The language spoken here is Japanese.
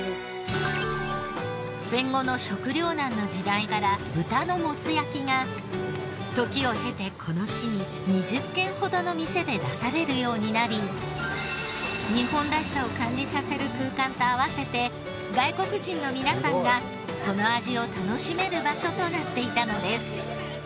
戦後の食糧難の時代から豚のもつ焼きが時を経てこの地に２０軒ほどの店で出されるようになり日本らしさを感じさせる空間と合わせて外国人の皆さんがその味を楽しめる場所となっていたのです。